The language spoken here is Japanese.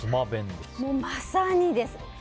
まさにです。